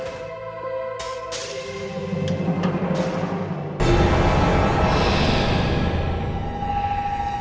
gak ada apa apa